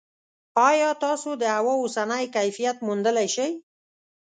ایا تاسو د هوا اوسنی کیفیت موندلی شئ؟